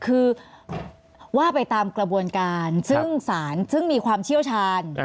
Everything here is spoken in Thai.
คือว่าไปตามกระบวนการซึ่งสารซึ่งมีความเชี่ยวชาญ